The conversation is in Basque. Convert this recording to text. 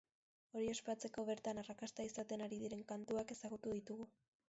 Hori ospatzeko, bertan arrakasta izaten ari diren kantuak ezagutu ditugu.